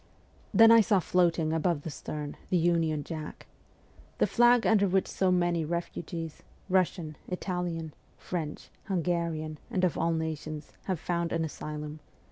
' Then I saw floating above the stern the Union Jack the flag under which so many refugees, Russian, Italian, French, Hun garian, and of all nations, have found an asylum.